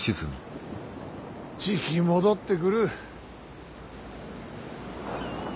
じき戻ってくる。